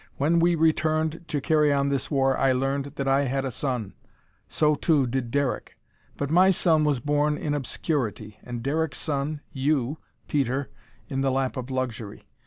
When we returned to carry on this war I learned that I had a son. So, too, did Derek. But my son was born in obscurity and Derek's son you, Peter in the lap of luxury.